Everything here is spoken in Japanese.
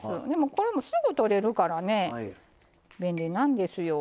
これもすぐとれるからね便利なんですよ。